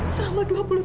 selama dua puluh tahun